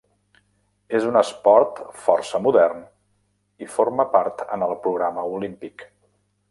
És un esport força modern i forma part en el programa olímpic.